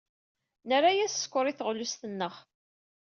Nerna-as sskeṛ i teɣlust-nneɣ.